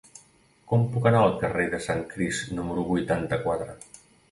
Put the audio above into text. Com puc anar al carrer del Sant Crist número vuitanta-quatre?